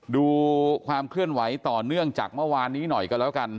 ดูความเคลื่อนไหวต่อเนื่องจากเมื่อวานนี้หน่อยกันแล้วกัน